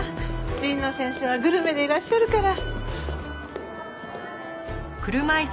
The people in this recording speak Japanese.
神野先生はグルメでいらっしゃるから。